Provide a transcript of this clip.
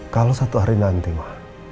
kalau satu hari nanti mah